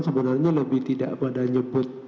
sebenarnya lebih tidak pada nyebut